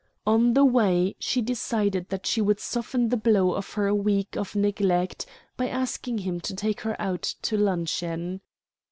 On the way she decided that she would soften the blow of her week of neglect by asking him to take her out to luncheon.